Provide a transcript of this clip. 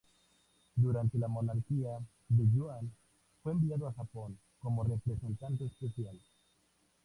Durante la monarquía de Yuan, fue enviado a Japón como representante especial.